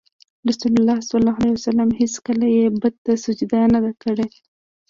رسول الله ﷺ هېڅکله یې بت ته سجده نه ده کړې.